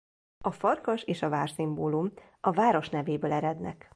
A farkas és a vár szimbólum a város nevéből erednek.